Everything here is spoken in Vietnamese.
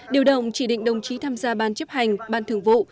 điều động chỉ định đồng chí tham gia ban chấp hành ban thường vụ